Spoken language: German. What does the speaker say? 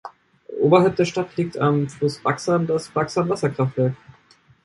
Oberhalb der Stadt liegt am Fluss Baksan das Baksan-Wasserkraftwerk.